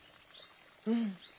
うん。